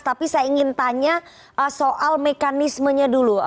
tapi saya ingin tanya soal mekanismenya dulu